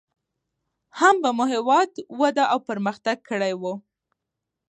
هم به مو هېواد وده او پرمختګ کړى و.